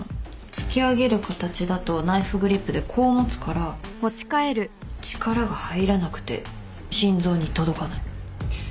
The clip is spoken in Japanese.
突き上げる形だとナイフグリップでこう持つから力が入らなくて心臓に届かない。